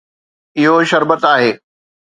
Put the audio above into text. اهو شربت آهي